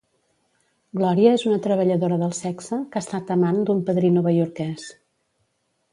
Glòria és una treballadora del sexe que ha estat amant d'un padrí novaiorquès.